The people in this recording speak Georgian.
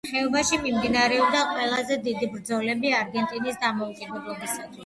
ხეობაში მიმდინარეობდა ყველაზე დიდი ბრძოლები არგენტინის დამოუკიდებლობისათვის.